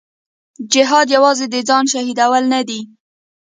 جهاد یوازې د ځان شهیدول نه دي.